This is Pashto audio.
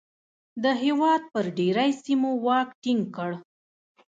د هېواد پر ډېری سیمو واک ټینګ کړ.